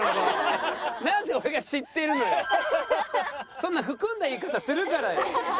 そんな含んだ言い方するからよ。